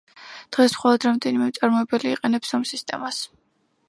დღეს, მხოლოდ რამდენიმე მწარმოებელი იყენებს ამ სისტემას.